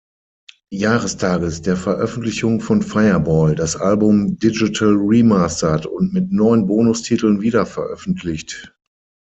Jahrestages der Veröffentlichung von "Fireball" das Album digital remastert und mit neun Bonustiteln wiederveröffentlicht.